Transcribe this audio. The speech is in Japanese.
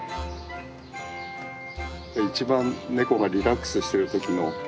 一番ネコがリラックスしてる時の。